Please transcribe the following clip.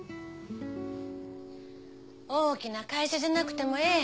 大きな会社じゃなくてもええ。